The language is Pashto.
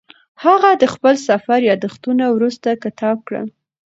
هغه د خپل سفر یادښتونه وروسته کتاب کړل.